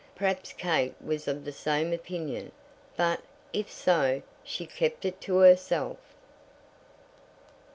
Perhaps Kate was of the same opinion, but, if so, she kept it to herself.